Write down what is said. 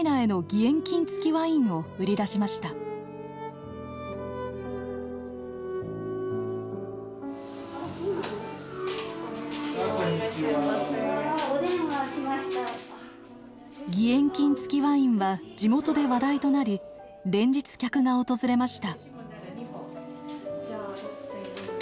義援金付きワインは地元で話題となり連日客が訪れました。